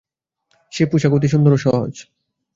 সে পোষাক অতি সুন্দর ও সহজ।